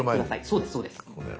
そうですそうです。